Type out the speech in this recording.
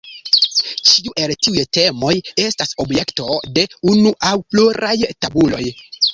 Ĉiu el tiuj temoj estas objekto de unu aŭ pluraj tabuloj.